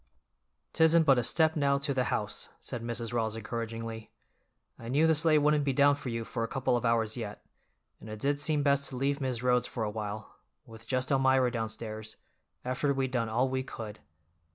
"'Tisn't but a step now to the house," said Mrs. Rawls encouragingly. "I knew the sleigh wouldn't be down for you for a couple of hours yet, and it did seem best to leave Mis' Rhodes for a while, with just Elmira downstairs, after we'd done all we could.